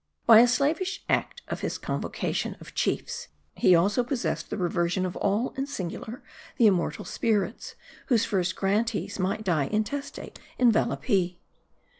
By a slavish act of his convocation of chiefs, he also possessed the reversion of all and singular the immortal spirits, whose first grantees might die intestate in Valapee.